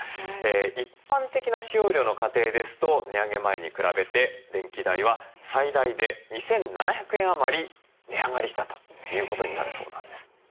一般的な使用量の家庭ですと値上げ前に比べて電気代は最大で２，７００円余り値上がりしたということになるそうなんです。